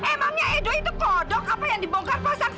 emangnya edo itu kodok apa yang dibongkar pasang seenaknya